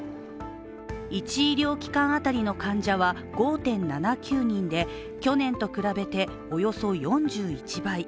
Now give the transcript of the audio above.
１医療機関当たりの患者は５．７９人で去年と比べて、およそ４１倍。